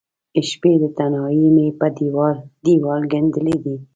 شپې د تنهائې مې په دیوال، دیوال ګنډلې دي